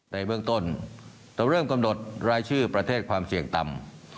ในเบื้องต้นเราเริ่มกำหนดรายชื่อประเทศความเสี่ยงต่ำ